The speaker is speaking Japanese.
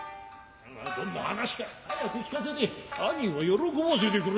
どんな話か早く聞かせて兄を喜ばせてくれ。